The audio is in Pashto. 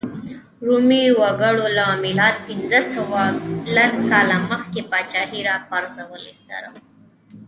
رومي وګړو له میلاد پنځه سوه لس کاله مخکې پاچاهۍ راپرځولو سره.